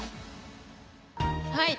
はい。